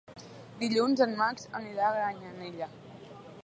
Dilluns en Max anirà a Granyanella.